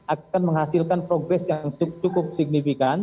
akan menghasilkan progres yang cukup signifikan